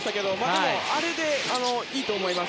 でも、あれでいいと思います。